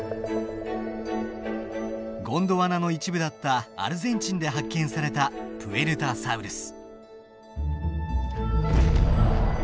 ゴンドワナの一部だったアルゼンチンで発見されたプエルタサウルス。